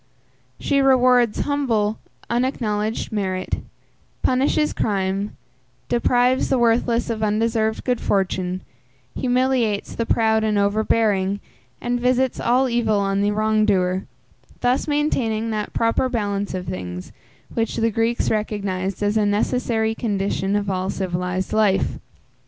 She rewards, humble, unacknowledged merit, punishes crime, deprives the worthless of undeserved good fortune, humiliates the proud and overbearing, and visits all evil on the wrong doer; thus maintaining that proper balance of things, which the Greeks recognized as a necessary condition of all civilized life.